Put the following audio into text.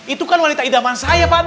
itu kan wanita idaman saya pak